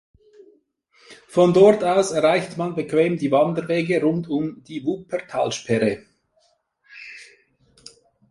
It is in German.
Von dort aus erreicht man bequem die Wanderwege rund um die Wuppertalsperre.